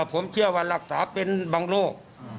ผมเชื่อว่ารักษาเป็นบางโรค